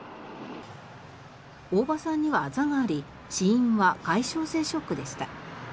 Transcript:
大場さんにはあざがあり死因は外傷性ショックでした。